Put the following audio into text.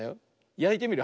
やいてみる。